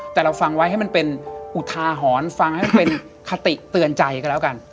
แต่เราฟังไว้ให้มันเป็นอุทาหรณ์ฟังให้มันเป็นคติเตือนใจกันแล้วกัน